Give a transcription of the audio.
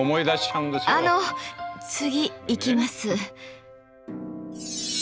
あの次行きます！